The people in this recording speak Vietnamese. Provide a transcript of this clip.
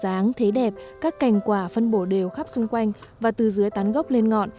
không thấy đẹp các cành quả phân bổ đều khắp xung quanh và từ dưới tán gốc lên ngọn